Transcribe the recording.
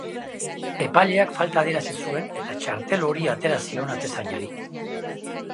Epaileak falta adierazi zuen eta txratel horia atera zion atezainari.